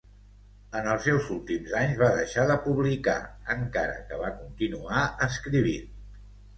En els seus últims anys va deixar de publicar, encara que va continuar escrivint.